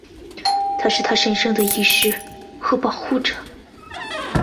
他是她的神圣医师和保护者。